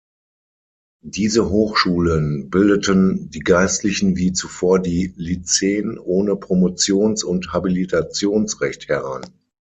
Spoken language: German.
Diese Hochschulen bildeten die Geistlichen wie zuvor die Lyzeen ohne Promotions- und Habilitationsrecht heran.